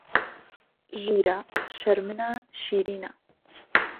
ژیره شهرمنه شیرینه